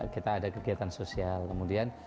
kita ada kegiatan sosial kemudian